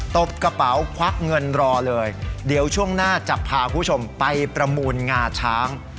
ตบกระเป๋าควักเงินรอเลยเดี๋ยวช่วงหน้าจะพาคุณผู้ชมไปประมูลงาช้าง